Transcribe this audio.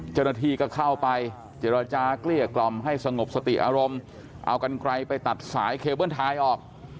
เจ้าหน้าที่ก็เข้าไปเจรจาเกลี้ยกล่อมให้สงบสติอารมณ์เอากันไกลไปตัดสายเคเบิ้ลทายออก